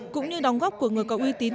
cũng như đóng góp của người có uy tín